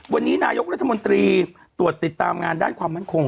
วันนี้นายกรัฐมนตรีตรวจติดตามงานด้านความมั่นคง